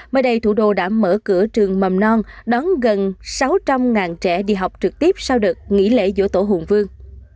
mới đây thủ đô đã mở cửa trường mầm non đón gần sáu trăm linh trẻ đi học trực tiếp sau đợt nghỉ lễ dỗ tổ hùng vương